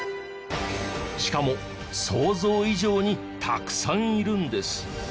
しかも想像以上にたくさんいるんです。